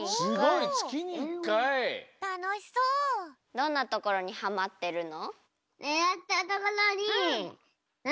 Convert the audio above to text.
どんなところにハマってるの？